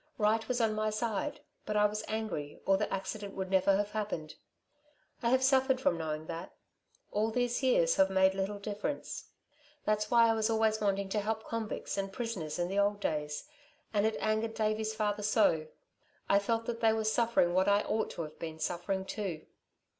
Right was on my side, but I was angry, or the accident would never have happened. I have suffered from knowing that. All these years have made little difference. That's why I was always wanting to help convicts and prisoners in the old days and it angered Davey's father so. I felt that they were suffering what I ought to have been suffering too....